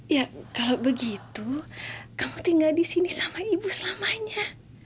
ya kalau begitu kamu tinggal di sini sama ibu selamanya